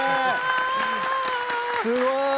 すごい！